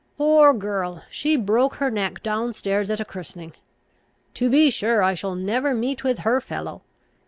Poor girl! she broke her neck down stairs at a christening. To be sure I shall never meet with her fellow!